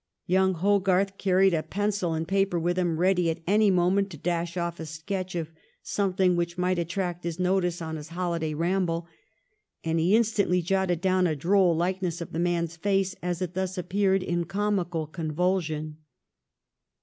Young Hogarth carried a pencil and paper with him ready at any moment to dash off a sketch of something which might attract his notice on his holiday ramble, and he instantly jotted down a droll hkeness of the man's face as it thus appeared in comical con vulsion.